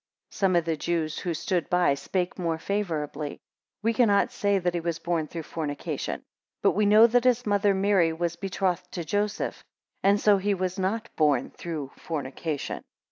8 Some of the Jews who stood by spake more favourably, We cannot say that he was born through fornication; but we know that his mother Mary was betrothed to Joseph, and so he was not born through fornication.